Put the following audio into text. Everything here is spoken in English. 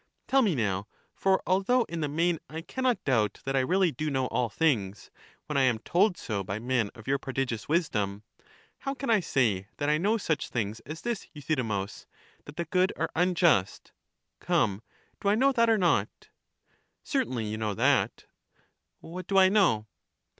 Tell me now, for although in the main I can not doubt that I really do know all things, when I am told so by men of your prodigious wisdom — how can I say that I know such things as this, Euthydemus, that the good are unjust; come, do I know that or not? Certainly, you know that. What do I know?